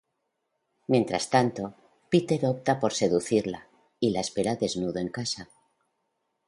Mientras tanto, Peter opta por seducirla y la espera desnudo en casa.